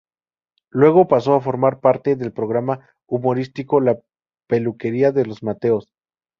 Luego pasó a formar parte del programa humorístico "La peluquería de los Mateos".